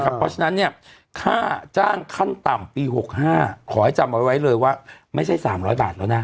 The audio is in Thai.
เพราะฉะนั้นเนี่ยค่าจ้างขั้นต่ำปี๖๕ขอให้จำเอาไว้เลยว่าไม่ใช่๓๐๐บาทแล้วนะ